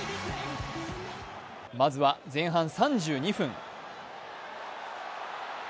まずは前半３２分。